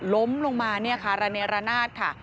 ล้มมาละเนียดรระนาจ